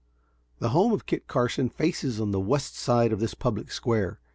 The home of Kit Carson faces on the west side of this public square.